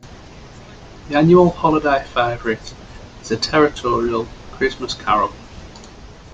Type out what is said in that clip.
The annual holiday favorite is A Territorial Christmas Carol.